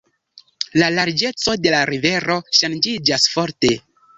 La larĝeco de la rivero ŝanĝiĝas forte.